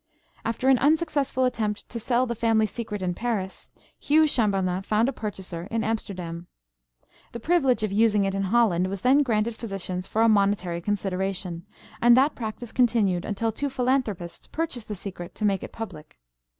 After an unsuccessful attempt to sell the family secret in Paris, Hugh Chamberlen found a purchaser in Amsterdam. The privilege of using it in Holland was then granted physicians for a monetary consideration, and that practice continued until two philanthropists purchased the secret to make it public.